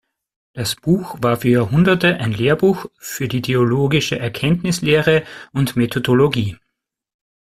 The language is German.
Das Buch war für Jahrhunderte ein Lehrbuch für die theologische Erkenntnislehre und Methodologie.